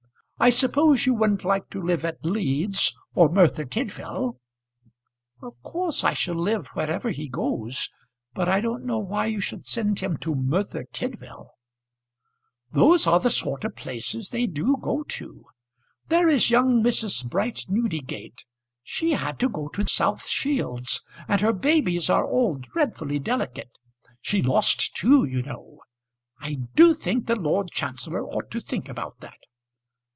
I suppose you wouldn't like to live at Leeds or Merthyr Tydvil?" "Of course I shall live wherever he goes; but I don't know why you should send him to Merthyr Tydvil." "Those are the sort of places they do go to. There is young Mrs. Bright Newdegate, she had to go to South Shields, and her babies are all dreadfully delicate. She lost two, you know. I do think the Lord Chancellor ought to think about that.